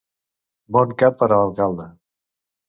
Bon cap per a alcalde!